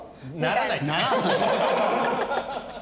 ならない。